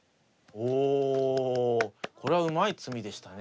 おこれはうまい詰みでしたね。